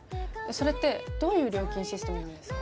それってどういう料金システムなんですか？